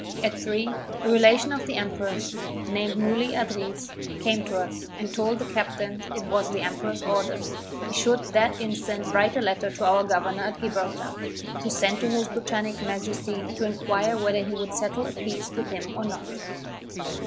At three, a relation of the emperor's, named Muli Adriz, came to us, and told the captain it was the emperor's orders, he should that instant write a letter to our governor at Gibraltar, to send to his Britanic Majesty to inquire whether he would settle a peace with him or not.